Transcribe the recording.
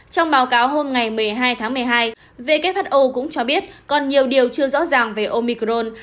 trong báo cáo hôm ngày một mươi hai tháng một mươi hai who cũng cho biết còn nhiều điều chưa rõ ràng về omicron